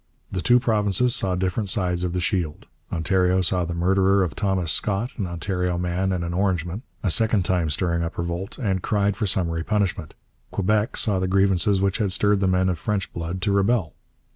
The two provinces saw different sides of the shield. Ontario saw the murderer of Thomas Scott an Ontario man and an Orangeman a second time stirring up revolt, and cried for summary punishment. Quebec saw the grievances which had stirred the men of French blood to rebel.